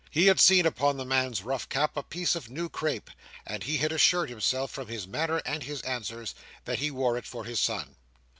He had seen upon the man's rough cap a piece of new crape, and he had assured himself, from his manner and his answers, that he wore it for his son.